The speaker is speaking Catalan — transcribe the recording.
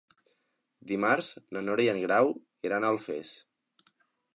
Dimarts na Nora i en Grau iran a Alfés.